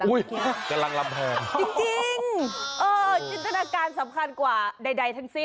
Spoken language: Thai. กำลังลำแพงจริงเออจินตนาการสำคัญกว่าใดทั้งสิ้น